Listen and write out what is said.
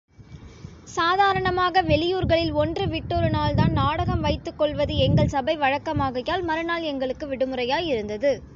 சாதாரணமாக வெளியூர்களில் ஒன்று விட்டொருநாள்தான் நாடகம் வைத்துக்கொள்வது எங்கள் சபை வழக்கமாகையால், மறுநாள் எங்களுக்கு விடுமுறையாயிருந்தது.